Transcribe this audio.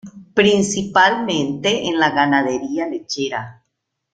Principalmente en la ganadería lechera.